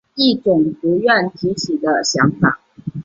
一种不愿提起的想法